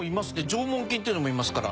縄文犬っていうのもいますから。